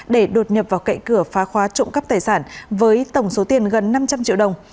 để đột nhập vào cậy cửa phá khóa trộm cắp tài sản với tổng số tiền gần năm trăm linh triệu đồng